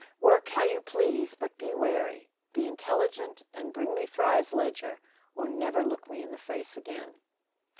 Work how you please; but be wary be intelligent, and bring me Fry's ledger or never look me in the face again."